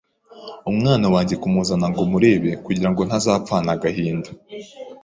umwana wanjye kumuzana ngo murebe kugirango ntazapfana agahinda